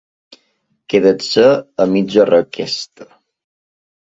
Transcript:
Quedar-se a mitja requesta.